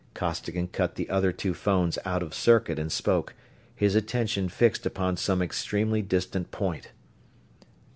Costigan cut the other two phones out of circuit and spoke, his attention fixed upon some extremely distant point.